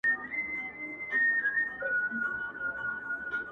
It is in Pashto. ورځم د خپل نړانده کوره ستا پوړونی راوړم’